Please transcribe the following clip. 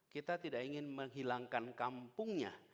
kita tidak ingin menghilangkan kampungnya